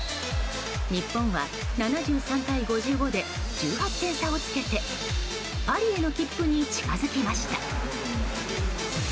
日本は７３対５５で１８点差をつけてパリへの切符に近づきました。